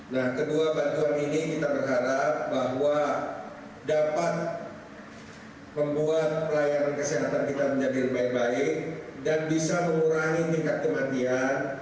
nah kedua bantuan ini kita berharap bahwa dapat membuat pelayanan kesehatan kita menjadi lebih baik dan bisa mengurangi tingkat kematian